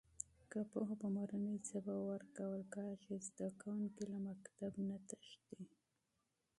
که پوهه په مورنۍ ژبه ورکول کېږي، شاګرد له مکتب نه تښتي نه.